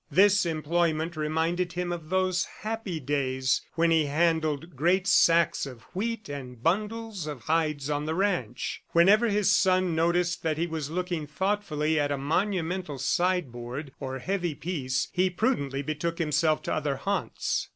This employment reminded him of those happy days when he handled great sacks of wheat and bundles of hides on the ranch. Whenever his son noticed that he was looking thoughtfully at a monumental sideboard or heavy piece, he prudently betook himself to other haunts.